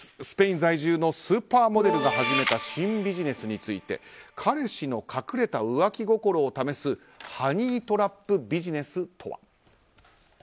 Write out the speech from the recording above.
スペイン在住のスーパーモデルが始めた新ビジネスについて彼氏の隠れた浮気心を試すハニートラップビジネスとは。